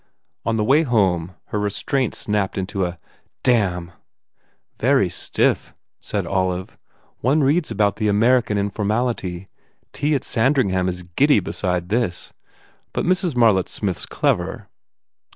On the way home her restraint snapped into a "Damn!" "Very stiff," said Olive, "One reads about the American informality. Tea at Sandringham is giddy beside this. But Mrs. Marlett Smith s clever.